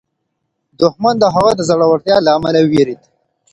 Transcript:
دښمن د هغه د زړورتیا له امله وېرېد.